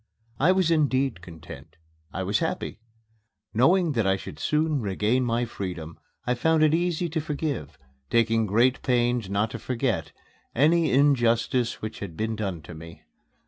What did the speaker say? I was indeed content I was happy. Knowing that I should soon regain my freedom, I found it easy to forgive taking great pains not to forget any injustice which had been done me.